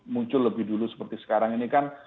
muncul lebih dulu seperti sekarang ini kan